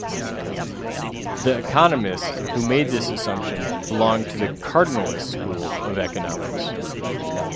The economists who made this assumption belonged to the 'cardinalist school' of economics.